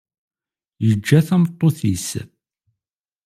Yeǧǧa tameṭṭut-is.